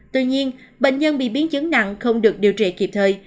tuy nhiên bệnh nhân bị biến chứng nặng không được điều trị kịp thời